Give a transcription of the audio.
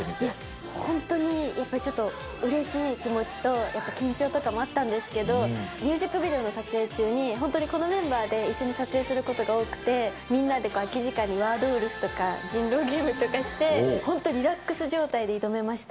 本当に、やっぱりちょっと、うれしい気持ちと、やっぱ緊張とかもあったんですけど、ミュージックビデオの撮影中に、本当にこのメンバーで一緒に撮影することが多くて、みんなで空き時間にワードウルフとか人狼ゲームとかして、本当、リラックス状態で挑めました。